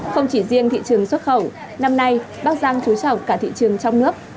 không chỉ riêng thị trường xuất khẩu năm nay bắc giang trú trọng cả thị trường trong nước